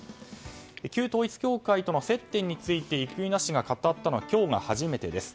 旧統一教会との接点について生稲氏が語ったのは今日が初めてです。